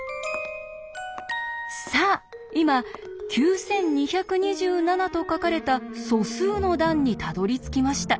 さあ今「９２２７」と書かれた素数の段にたどりつきました。